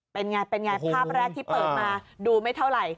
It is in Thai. เป็นอย่างไรภาพแรกที่เปิดมาดูไม่เท่าไร